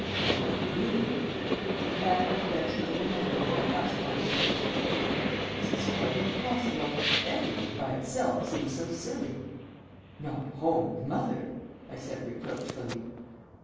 "Well, really " "Animal, vegetable, or mineral?" asked Archie. "This is quite impossible. Every word by itself seems so silly." "Not 'home' and 'mother,'" I said reproachfully.